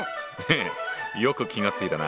よく気がついたな。